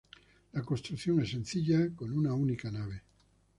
La construcción es sencilla, con una única nave.